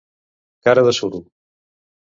Cara de suro.